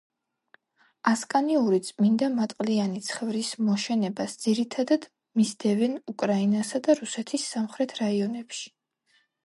ასკანიური წმინდამატყლიანი ცხვრის მოშენებას ძირითადად მისდევენ უკრაინასა და რუსეთის სამხრეთ რაიონებში.